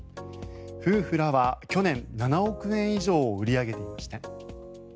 夫婦らは去年、７億円以上を売り上げていました。